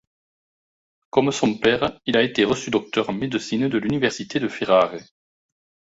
Comme son père, il a été reçu docteur en médecine de l'université de Ferrare.